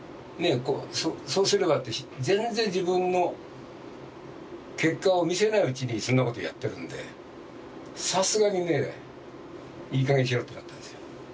全然自分の結果を見せないうちにそんなことやってるんでさすがにいいかげんにしろってなったんですよ。